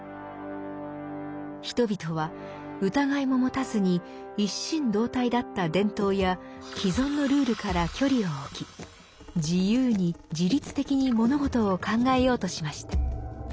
人々は疑いも持たずに一心同体だった伝統や既存のルールから距離を置き自由に自立的に物事を考えようとしました。